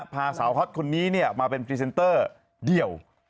พาสาวฮอตคนนี้มาเป็นพรีเซนเตอร์เดี่ยว